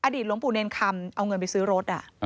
หลวงปู่เนรคำเอาเงินไปซื้อรถ